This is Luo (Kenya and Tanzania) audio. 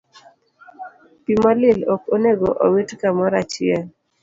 Pi molil ok onego owit kamoro achiel.